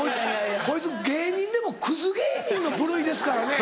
こいつ芸人でもクズ芸人の部類ですからね。